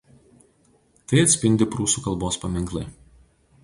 Tai atspindi prūsų kalbos paminklai.